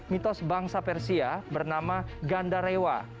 mitos bangsa persia bernama gandarewa